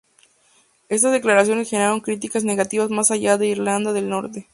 Estas declaraciones generaron críticas negativas más allá de Irlanda del Norte.